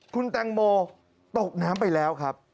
คุณแตงโมตกน้ำไปแล้วครับ